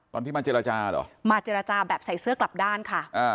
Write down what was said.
ตอนที่มาเจรจาเหรอมาเจรจาแบบใส่เสื้อกลับด้านค่ะ